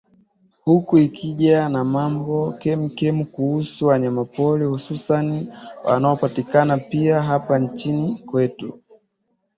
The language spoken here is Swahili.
huku ikija na mambo kemkem kuhusu wanyamapori hususani wanaopatikana pia hapa nchini kwetu